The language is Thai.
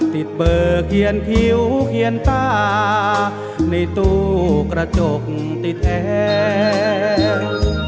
ติดเบอร์เขียนคิ้วเขียนตาในตู้กระจกติดแอร์